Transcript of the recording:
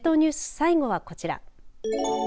最後はこちら。